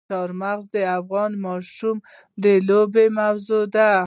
چار مغز د افغان ماشومانو د لوبو موضوع ده.